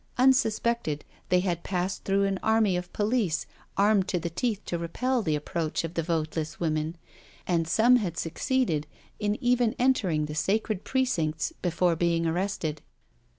Unsuspected, they had passed through an army of police armed to the teeth to repel the approach of the voteless women, and some had succeeded in even entering the sacred precincts before being arrested.